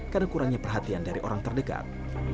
karena kurangnya perhatian dari orang terdekat